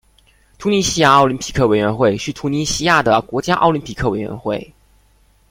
突尼西亚奥林匹克委员会是突尼西亚的国家奥林匹克委员会。